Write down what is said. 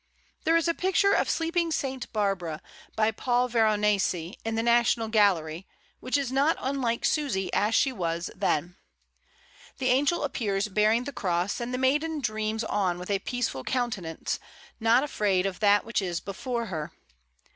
There is a picture of "Sleeping St. Barbara,'' by Paul Veronese, in the National Gallery, which is not unlike Susy as she was then. The angel appears bearing the cross, and the maiden dreams on with a peaceful countenance, not afraid of that which is before her.